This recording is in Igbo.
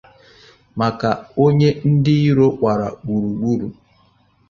Maka onye ndị iro gbara gburugburu